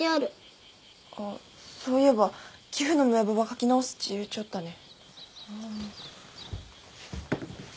あっそういえば寄付の名簿ば書き直すっち言うちょったね。